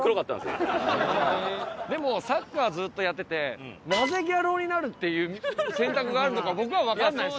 でもサッカーずっとやっててなぜギャル男になるっていう選択があるのか僕はわからない。